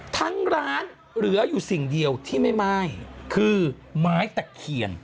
ทั้งร้านเหลืออยู่สิ่งเดียวที่ไม่ม่ายคือไม้ตะเคียน